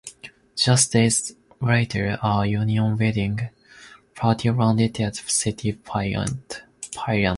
Just days later, a Union raiding party landed at City Point.